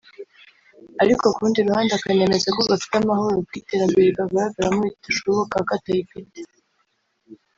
ariko ku rundi ruhande akanemeza ko gafite amahoro kuko iterambere rikagaragaramo ritashoboka katayafite